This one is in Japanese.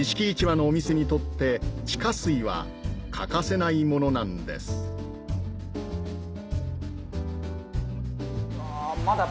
市場のお店にとって地下水は欠かせないものなんですわ